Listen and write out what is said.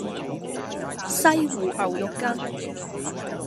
西湖牛肉羹